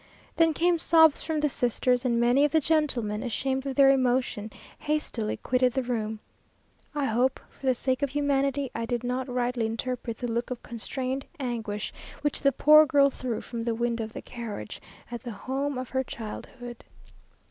Then came sobs from the sisters, and many of the gentlemen, ashamed of their emotion, hastily quitted the room. I hope, for the sake of humanity, I did not rightly interpret the look of constrained anguish which the poor girl threw from the window of the carriage at the home of her childhood.